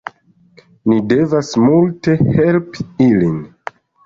Ni devas multe helpi ilin